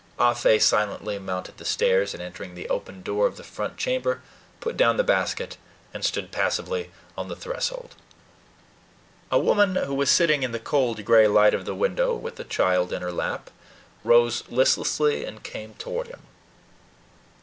Ah Fe silently mounted the stairs, and entering the open door of the front chamber, put down the basket and stood passively on the threshold. A woman, who was sitting in the cold gray light of the window, with a child in her lap, rose listlessly, and came toward him.